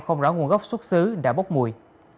không rõ nguồn gốc xuất xứ đã bốc mùi